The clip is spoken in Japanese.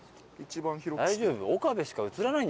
大丈夫？